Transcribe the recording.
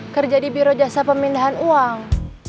kerja di biro jasa pemindahan uang